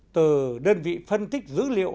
từ đơn vị phân tích dữ liệu